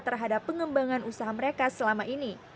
terhadap pengembangan usaha mereka selama ini